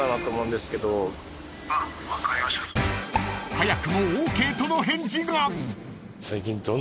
［早くもＯＫとの返事が］